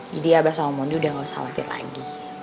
jadi abah sama mondo udah gak usah latih lagi